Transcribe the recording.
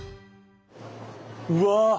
うわ！